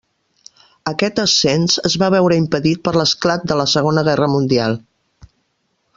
Aquest ascens es va veure impedit per l'esclat de la Segona Guerra Mundial.